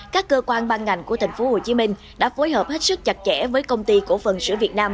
các cơ quan ban ngành của thành phố hồ chí minh đã phối hợp hết sức chặt chẽ với công ty cổ phần sữa việt nam